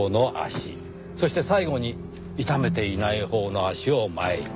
そして最後に痛めていないほうの足を前に。